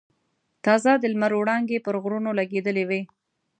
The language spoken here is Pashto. تازه د لمر وړانګې پر غرونو لګېدلې وې.